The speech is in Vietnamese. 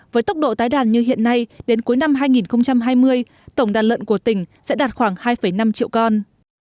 với tốc độ tái đàn như hiện nay đến cuối năm hai nghìn hai mươi tổng đàn lợn của tỉnh sẽ đạt khoảng hai năm triệu con